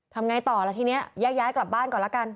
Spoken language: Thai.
ทำง่ายต่อแล้วทีเนี้ยยากย้ายกลับบ้านก่อนแล้วกัน